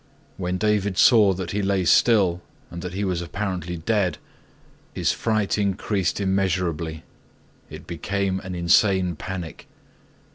When David saw that he lay still and that he was apparently dead, his fright increased immeasurably. It became an insane panic.